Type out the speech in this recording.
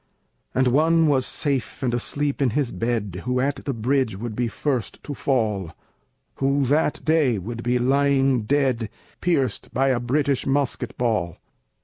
And one was safe and asleep in his bed Who at the bridge would be first to fall, Who that day would be lying dead, Pierced by a British musket ball.